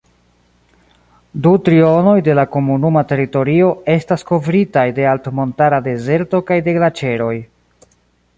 Du trionoj de la komunuma teritorio Estas kovritaj de altmontara dezerto kaj de glaĉeroj.